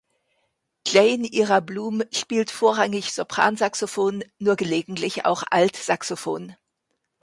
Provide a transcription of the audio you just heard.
Jane Ira Bloom spielt vorrangig Sopransaxophon, nur gelegentlich auch Altsaxophon.